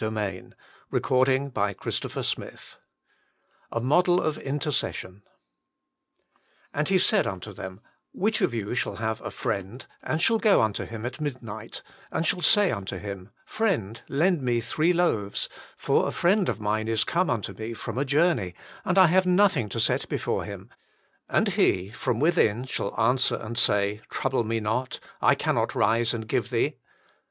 A PLEA FOR MORE PRAYER CHAPTEE III 8 Jflofcei of Intercession " And he said unto them, Which of you shall have a friend, and shall go unto him at midnight, and shall say unto him, Friend, lend me three loaves ; for a friend of mine is come unto me from a journey, and I have nothing to set before him ; and he from within shall answer and say, Trouble me not : I cannot rise and give thee